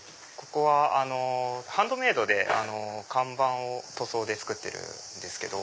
ここはハンドメードで看板を塗装で作ってるんです。